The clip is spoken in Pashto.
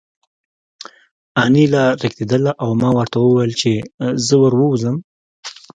انیلا رېږېدله او ما ورته وویل چې زه ور ووځم